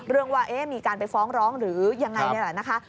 ว่ามีการไปฟ้องร้องหรือยังไงนี่แหละนะคะ